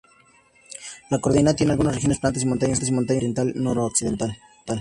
La Concordia tiene algunas regiones planas y montañosas en la parte oriental y noroccidental.